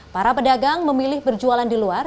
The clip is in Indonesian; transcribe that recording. para pedagang memilih berjualan di luar